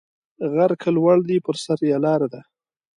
غر که لوړ دی پر سر یې لار ده